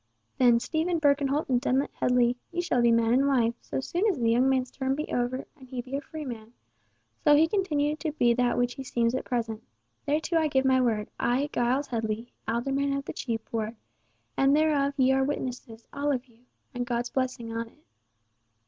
"Then, Stephen Birkenholt and Dennet Headley, ye shall be man and wife, so soon as the young man's term be over, and he be a freeman—so he continue to be that which he seems at present. Thereto I give my word, I, Giles Headley, Alderman of the Chepe Ward, and thereof ye are witnesses, all of you. And God's blessing on it."